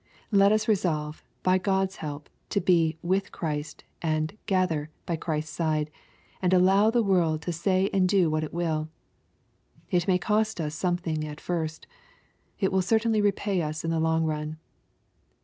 Let us resolve, by God's help, to be "with Christ," and "gather" by Christ's side, and allow the world to say and do what it will. — It may cost us something at first. It will certainly repay us in the long run.